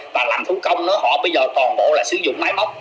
và làm thú công nữa họ bây giờ toàn bộ là sử dụng máy móc